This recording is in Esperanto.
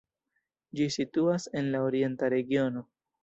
Ĝi situas en la Orienta regiono.